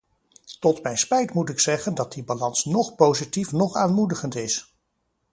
Tot mijn spijt moet ik zeggen dat die balans noch positief noch aanmoedigend is.